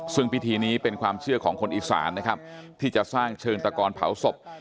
ซึ่งพิธีนี้เป็นความเชื่อของคนอีสานนะครับที่จะสร้างเชิงตะกอนเผาศพ